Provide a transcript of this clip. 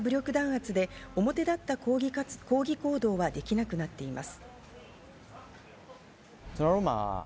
軍の徹底した武力弾圧で表だった抗議行動はできなくなっています。